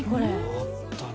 あったね。